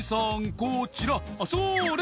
こちらそれっと」